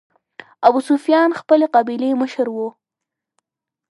ابوسفیان خپلې قبیلې مشر و.